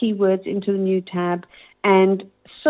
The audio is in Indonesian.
masukkan kata kata baru